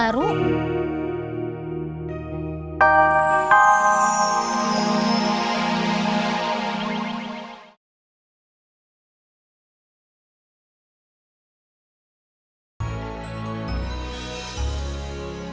tapi aku ingin kita bisa dedicasi semuanya